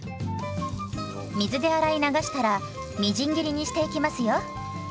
水で洗い流したらみじん切りにしていきますよ。